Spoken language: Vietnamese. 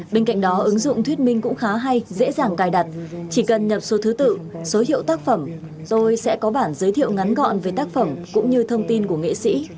bên cạnh đó ứng dụng thuyết minh cũng khá hay dễ dàng cài đặt chỉ cần nhập số thứ tự số hiệu tác phẩm tôi sẽ có bản giới thiệu ngắn gọn về tác phẩm cũng như thông tin của nghệ sĩ